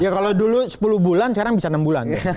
ya kalau dulu sepuluh bulan sekarang bisa enam bulan